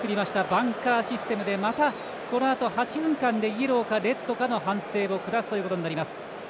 バンカーシステムでこのあと８分間でイエローかレッドかの判定をくだすということになります。